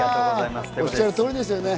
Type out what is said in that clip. おっしゃる通りですよね。